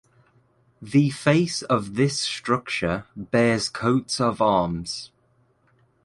The face of this structure bears coats of arms.